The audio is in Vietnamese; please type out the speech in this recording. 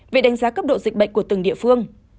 về đánh giá cấp độ dịch bệnh của từng địa phương